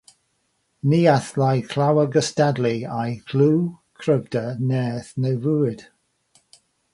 Ni allai llawer gystadlu â'i “lliw, cryfder, nerth, neu fywyd”.